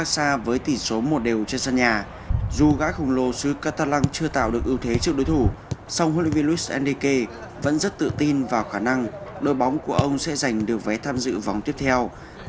xin chào và hẹn gặp lại các bạn trong những video tiếp theo